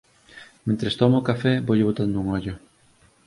Mentres tomo o café voulle botando un ollo.